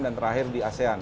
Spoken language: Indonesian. dan terakhir di asean